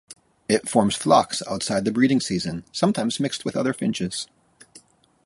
It forms flocks outside the breeding season, sometimes mixed with other finches.